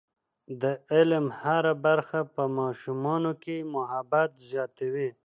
د علم هره برخه په ماشومانو کې محبت زیاتوي.